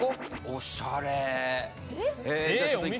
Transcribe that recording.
おしゃれ。